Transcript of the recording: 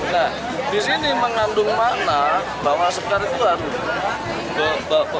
nah disini mengandung makna bahwa jagad itu harum